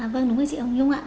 vâng đúng vậy chị hồng nhung ạ